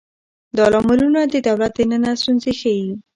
دا لاملونه د دولت دننه ستونزې ښيي.